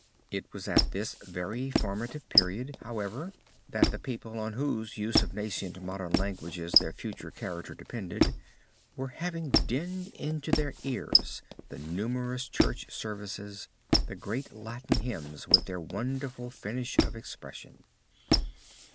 It was at this very formative period, however, that the people on whose use of the nascent modern languages their future character depended, were having dinned into their ears in the numerous church services, the great Latin hymns with their wonderful finish of expression.